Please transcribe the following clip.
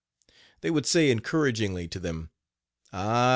They would say encouragingly to them: "Ah!